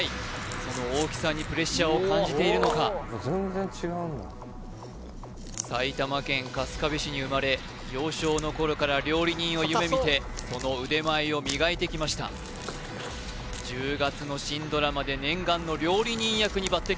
その大きさにプレッシャーを感じているのか埼玉県春日部市に生まれ幼少の頃から料理人を夢見てその腕前を磨いてきました１０月の新ドラマで念願の料理人役に抜擢